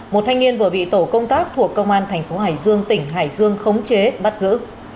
một thanh niên vừa bị tổ công tác thuộc công an thành phố hải dương tỉnh hải dương khống chế bắt giữ